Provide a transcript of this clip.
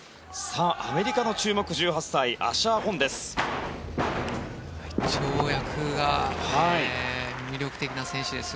アメリカの注目、１８歳アシャー・ホンです。